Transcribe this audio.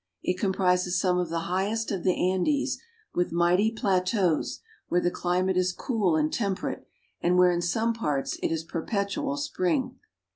It comprises some of the highest of the Andes, with mighty plateaus where the climate is cool and temperate, and where in some parts it is perpet ual spring.